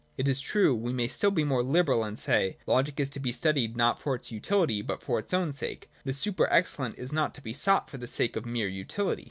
It is true, we may be still more liberal, and say : Logic is to be studied not for its utility, but for its own sake ; the super excellent is not to be sought for the sake of mere utility.